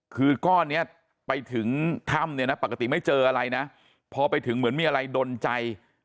คือก้อนนี้ไปถึงถ้ำเนี่ยนะปกติไม่เจออะไรนะพอไปถึงเหมือนมีอะไรดนใจ